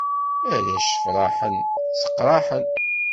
Arrac ssefṛaḥen, sseqṛaḥen.